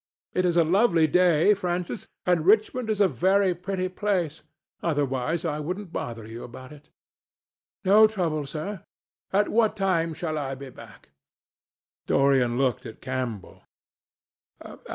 It is a lovely day, Francis, and Richmond is a very pretty place—otherwise I wouldn't bother you about it." "No trouble, sir. At what time shall I be back?" Dorian looked at Campbell.